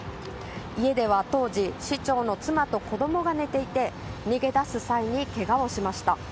家では当時市長の妻と子供が寝ていて逃げ出す際にけがをしました。